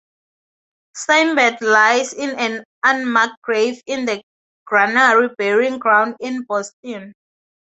Smybert lies in an unmarked grave in the Granary Burying Ground in Boston.